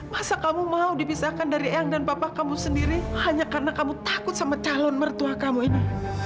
masa kamu mau dipisahkan dari eyang dan papa kamu sendiri hanya karena kamu takut sama calon mertua kamu ini